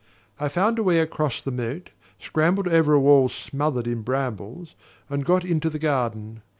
I found a way across the moat, scrambled over a wall smothered in brambles, and got into the garden.